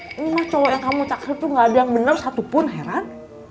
ini mah cowok yang kamu takir tuh gak ada yang bener satupun heran